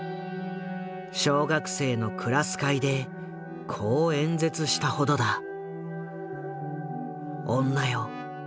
小学生のクラス会でこう演説したほどだ。